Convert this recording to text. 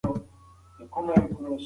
زېړ ګیلاس یې تر نیمايي پورې ډک کړ.